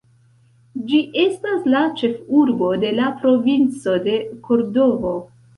Ĝi estas la ĉefurbo de la provinco de Kordovo.